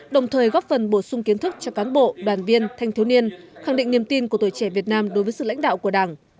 đồng thời góp phần bổ sung kiến thức cho cán bộ đoàn viên thanh thiếu niên khẳng định niềm tin của tuổi trẻ việt nam đối với sự lãnh đạo của đảng